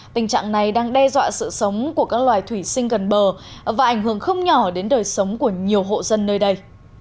tình trạng này đang đe dọa sự sống của các loài thủy sinh gần bờ và ảnh hưởng không nhỏ đến đời sống của nhiều hộ dân nơi đây